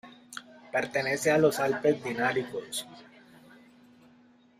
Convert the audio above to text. Pertenece a los Alpes Dináricos.